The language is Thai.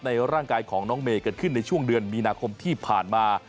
ร่างกายของน้องเมย์เกิดขึ้นในช่วงเดือนมีนาคมที่ผ่านมา